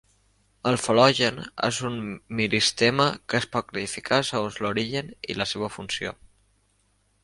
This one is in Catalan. El fel·logen és un meristema que es pot classificar segons l'origen i la seva funció.